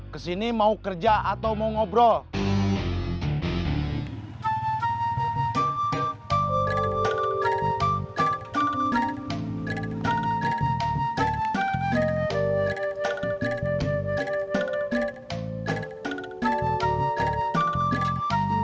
kesini mau kerja atau mau ngobrol